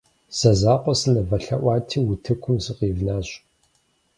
Зэ закъуэ сынывэлъэӀуати, утыкум сыкъивнащ.